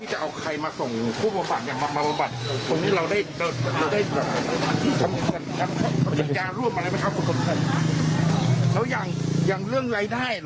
เราได้มาจากไหนบ้างครับหลวงพี่